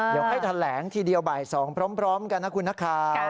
เดี๋ยวให้แถลงทีเดียวบ่าย๒พร้อมกันนะคุณนักข่าว